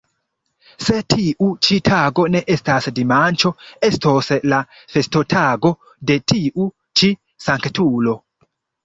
Se tiu ĉi tago ne estas dimanĉo, estos la festotago de tiu ĉi Sanktulo.